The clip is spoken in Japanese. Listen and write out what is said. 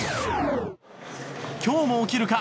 今日も起きるか？